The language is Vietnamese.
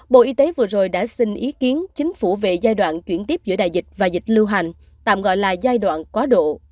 bộ y tế vừa rồi đã xin ý kiến chính phủ về giai đoạn chuyển tiếp giữa đại dịch và dịch lưu hành tạm gọi là giai đoạn quá độ